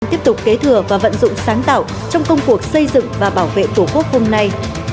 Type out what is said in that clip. tiếp tục kế thừa và vận dụng sáng tạo trong công cuộc xây dựng và bảo vệ của quốc hùng này